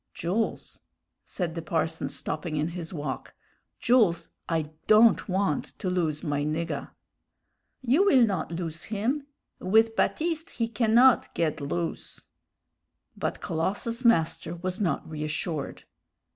"Jools," said the parson, stopping in his walk "Jools, I don't want to lose my niggah." "You will not loose him. With Baptiste he cannot ged loose." But Colossus's master was not reassured.